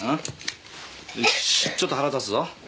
よしちょっと腹出すぞ。